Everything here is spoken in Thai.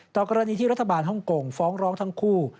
กรณีที่รัฐบาลฮ่องกงฟ้องร้องทั้งคู่